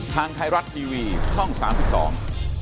ทางไทยรัฐทีวีช่องสามสิบสอง